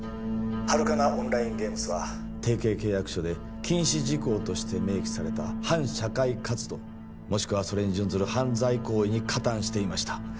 ハルカナ・オンライン・ゲームズは提携契約書で禁止事項として明記された反社会活動もしくはそれに準ずる犯罪行為に加担していました